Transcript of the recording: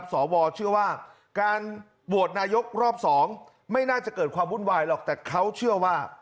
สวเชื่อว่าการโหวตนายกรอบ๒ไม่น่าจะเกิดความวุ่นวายหรอกแต่เขาเชื่อว่า